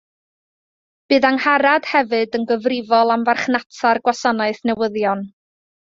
Bydd Angharad hefyd yn gyfrifol am farchnata'r gwasanaeth newyddion